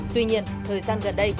tuy nhiên thời gian gần đây